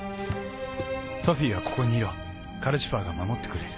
ソフィーはここにいろカルシファーが守ってくれる。